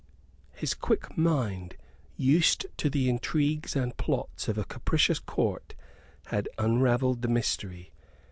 His quick mind, used to the intrigues and plots of a capricious Court, had unravelled the mystery.